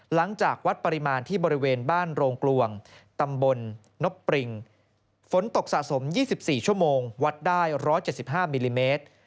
หลังจากวัดปริมาณที่บริเวณบ้านโรงกลวงตำบลนบปริงฝนตกสะสม๒๔ชั่วโมงวัดได้๑๗๕มิลลิเมตร